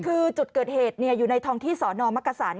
คือจุดเกิดเหตุอยู่ในท้องที่สนมักกษัน